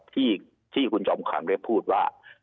ที่คุณจอมขลังได้พูดว่า